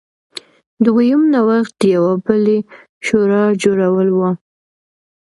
دویم نوښت د یوې بلې شورا جوړول و.